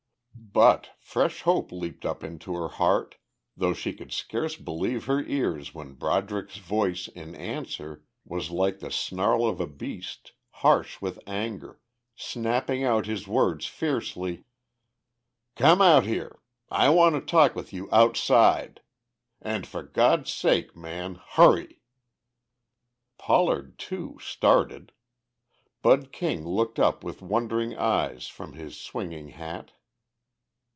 But fresh hope leaped up into her heart, though she could scarce believe her ears when Broderick's voice in answer was like the snarl of a beast, harsh with anger, snapping out his words fiercely: "Come out here. I want to talk with you outside. And, for God's sake, man, hurry!" Pollard, too, started. Bud King looked up with wondering eyes from his swinging hat.